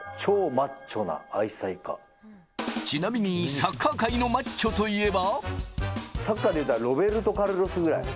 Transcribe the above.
ちなみにサッカー界のマッチョといえば。